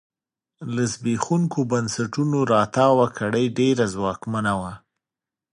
له زبېښونکو بنسټونو راتاوه کړۍ ډېره ځواکمنه وه.